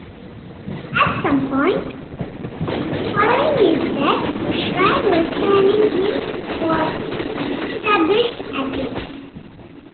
At some point, following his death, a shrine venerating him was established at Louth.